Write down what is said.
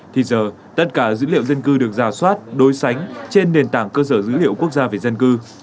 thì giờ tất cả dữ liệu dân cư được giả soát đối sánh trên nền tảng cơ sở dữ liệu quốc gia về dân cư